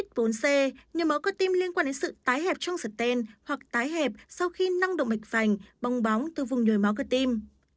tuyết bốn c nhồi máu cơ tim liên quan đến sự tái hẹp trong sợt tên hoặc tái hẹp sau khi năng động mạch vành bong bóng từ vùng nhồi máu cơ tim